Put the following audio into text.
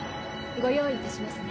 ご用意いたしますね。